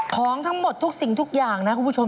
ของทั้งหมดทุกสิ่งทุกอย่างนะคุณผู้ชม